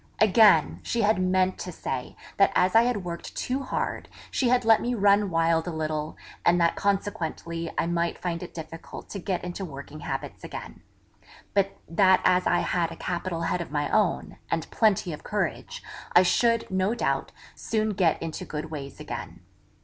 Again, she had meant to say that as I had worked too hard, she had let me run wild a little; and that consequently I might find it difficult to get into working habits again; but that as I had a capital head of my own, and plenty of courage, I should, no doubt, soon get into good ways again.